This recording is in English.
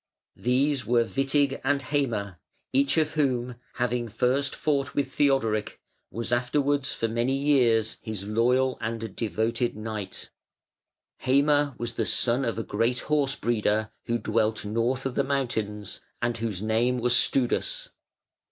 These were Witig and Heime, each of whom, having first fought with Theodoric, was afterwards for many years his loyal and devoted knight. Heime was the son of a great horse breeder who dwelt north of the mountains, and whose name was Studas.